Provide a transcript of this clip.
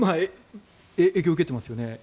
影響を受けていますね。